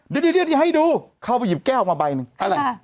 เดี๋ยวให้ดูเข้าไปหยิบแก้วมาใบหนึ่งอะไร